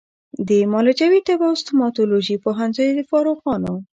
د معالجوي طب او ستوماتولوژي پوهنځیو د فارغانو